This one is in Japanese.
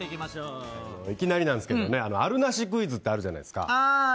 いきなりなんですけどあるなしクイズってあるじゃないですか。